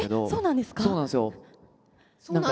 そうなんですか？